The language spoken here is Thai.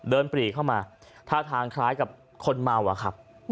ปรีเข้ามาท่าทางคล้ายกับคนเมาอะครับ